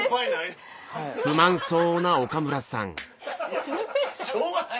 いやしょうがない。